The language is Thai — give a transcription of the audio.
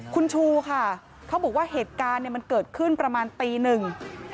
คุณชูค่ะเขาบอกว่าเหตุการณ์เนี่ยมันเกิดขึ้นประมาณตีหนึ่ง